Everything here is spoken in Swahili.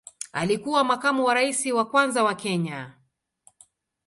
Alikuwa makamu wa rais wa kwanza wa Kenya.